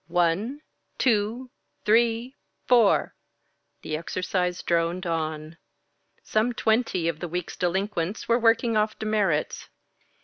One, two, three, four." The exercise droned on. Some twenty of the week's delinquents were working off demerits.